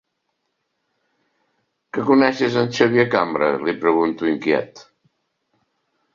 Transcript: Que coneixes el Xavier Cambra? —li pregunto, inquiet.